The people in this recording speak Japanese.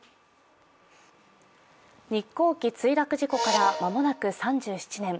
日航機墜落事故から間もなく３７年。